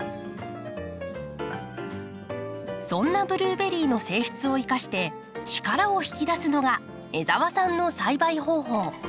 そんなブルーベリーの性質を生かして力を引き出すのが江澤さんの栽培方法。